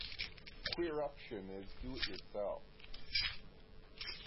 Queeruption is Do-it-Yourself!